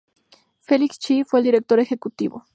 Felix Chee fue el director ejecutivo.